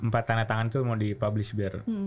yang tangan tangan tuh mau di publis biar